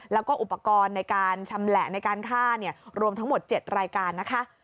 แล้วก็อุปกรณ์ในการชำแหละในการฆ่ารวมทั้งหมด๗รายการนะคะ